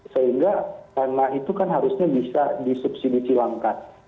sehingga dana itu kan harusnya bisa disubsidi cilangkan